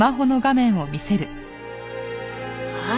はい。